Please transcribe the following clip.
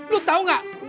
lu tau gak